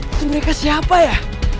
itu mereka siapa ya